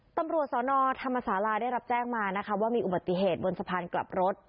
ตำรวจสนธรรมศาลาได้รับแจ้งมานะคะว่ามีอุบัติเหตุบนสะพานกลับรถ